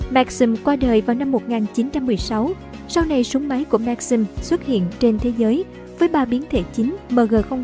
maxim qua đời vào năm một nghìn chín trăm một mươi sáu sau này súng máy của maxim xuất hiện trên thế giới với ba biến thể chính mg